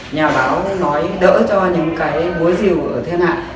nhà báo nói đỡ cho những cái bối rìu ở thiên hạ